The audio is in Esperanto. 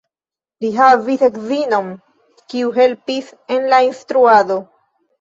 Li havis edzinon, kiu helpis en la instruado.